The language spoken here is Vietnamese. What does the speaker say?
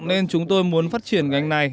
nên chúng tôi muốn phát triển ngành này